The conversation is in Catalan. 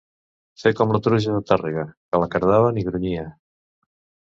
Fer com la truja de Tàrrega, que la cardaven i grunyia.